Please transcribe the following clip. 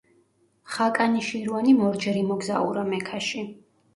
ხაკანი შირვანიმ ორჯერ იმოგზაურა მექაში.